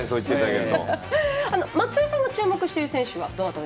松井さんが注目している選手は？